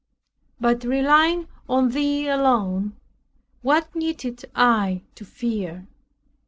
But relying on Thee alone, what needed I to fear?